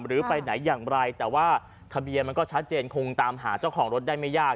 หรือไปไหนอย่างไรแต่ว่าทะเบียนมันก็ชัดเจนคงตามหาเจ้าของรถได้ไม่ยาก